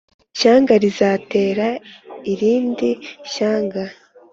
Ishyanga rizatera irindi shyanga